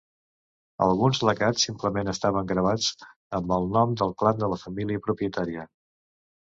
Alguns lacats simplement estaven gravats amb el nom del clan de la família propietària.